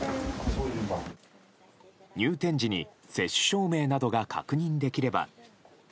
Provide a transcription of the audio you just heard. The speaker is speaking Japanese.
入店時に接種証明などが確認できれば。